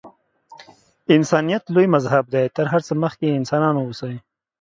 انسانیت لوی مذهب دی. تر هر څه مخکې انسانان اوسئ.